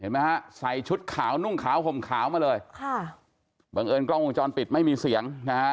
เห็นไหมคะใส่ชุดขาวนุ่งขาวผมขาวมาเลยบังเอิญกล้องวงจรปิดไม่มีเสียง